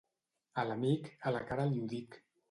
A l'amic, a la cara li ho dic.